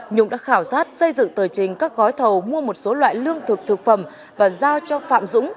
nhung đã khảo sát xây dựng tờ trình các gói thầu mua một số loại lương thực thực phẩm và giao cho phạm dũng